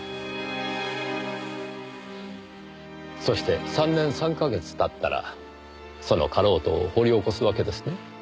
そして３年３か月経ったらそのかろうとを掘り起こすわけですね？